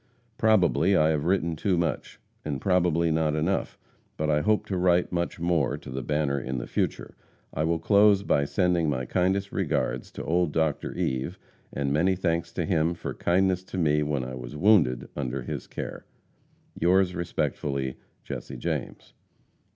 Probably I have written too much, and probably not enough, but I hope to write much more to the Banner in the future. I will close by sending my kindest regards to old Dr. Eve, and many thanks to him for kindness to me when I was wounded and under his care. Yours respectfully, JESSE JAMES.